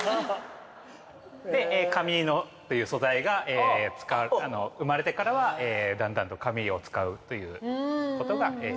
で紙という素材が生まれてからはだんだんと紙を使うということが。